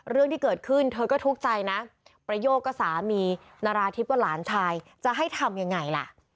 เรื่องที่เกิดขึ้นเธอก็ทุกข์ใจนะประโยคก็สามีนาราธิบว่าหลานชายจะให้ทำยังไงล่ะ